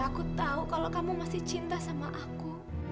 aku tahu kalau kamu masih cinta sama aku